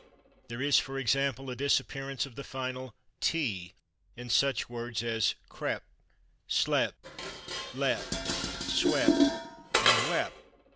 There is, for example, the disappearance of the final /t/ in such words as /crep/, /slep/, /lep/, /swep/ and /wep